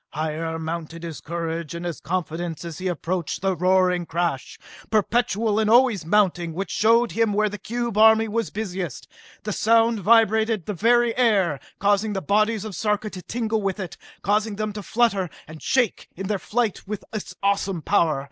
Higher mounted his courage and his confidence as he approached the roaring crash, perpetual and always mounting, which showed him where the cube army was busiest. The sound vibrated the very air, causing the bodies of Sarka to tingle with it, causing them to flutter and shake in their flight with its awesome power.